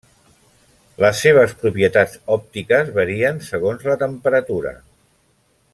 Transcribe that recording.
Les seves propietats òptiques varien segons la temperatura.